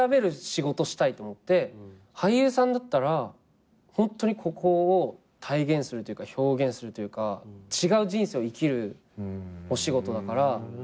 俳優さんだったらホントにここを体現するというか表現するというか違う人生を生きるお仕事だから。